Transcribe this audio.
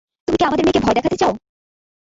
তুমি কি আমাদের মেয়েকে ভয় দেখাতে চাও?